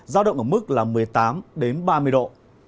giao động ở mức là một mươi tám ba mươi độ